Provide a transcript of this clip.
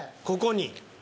ここに。